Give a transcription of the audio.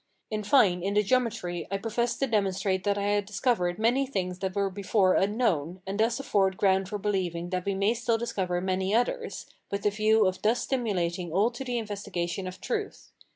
In fine, in the Geometry, I professed to demonstrate that I had discovered many things that were before unknown, and thus afford ground for believing that we may still discover many others, with the view of thus stimulating all to the investigation of truth.